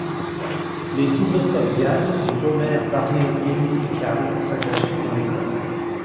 Les Isotopes gagnent et Homer, Barney, Lenny et Carl saccagent tout dans l'école.